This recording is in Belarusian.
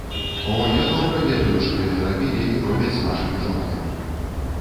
О, я добра ведаю, што яны рабілі і робяць з нашымі жонкамі.